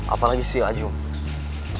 apalagi si ajung